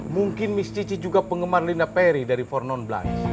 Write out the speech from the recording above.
mungkin miss cici juga penggemar linda perry dari for non blonde